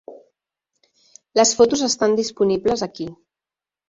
Les fotos estan disponibles aquí.